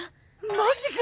マジか！